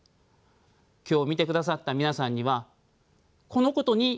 今日見てくださった皆さんにはこのことに気が付いてほしいと思います。